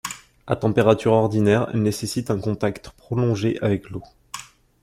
À température ordinaire, elle nécessite un contact prolongé avec l'eau.